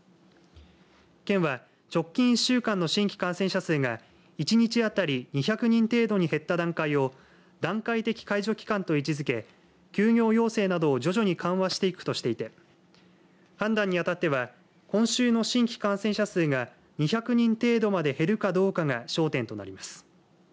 県は直近１週間の新規感染者数が１日当たり２００人程度に減った段階を段階的解除期間と位置づけ休業要請などを徐々に緩和していくとしていて判断にあたっては今週の新規感染者数が２００人程度まで減るかどうかが焦点となります。